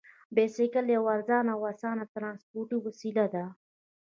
بایسکل یوه ارزانه او اسانه ترانسپورتي وسیله ده.